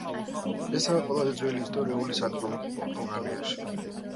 ესაა ყველაზე ძველი ისტორიული სადგომი პორტუგალიაში.